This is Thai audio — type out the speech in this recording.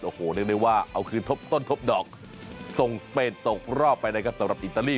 โอ้โหเรียกได้ว่าเอาคืนทบต้นทบดอกส่งสเปนตกรอบไปนะครับสำหรับอิตาลี